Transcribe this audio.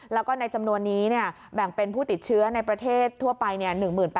แล้วก็ในจำนวนนี้แบ่งเป็นผู้ติดเชื้อในประเทศทั่วไป๑๘๐๐